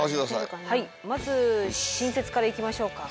まず新雪から行きましょうか。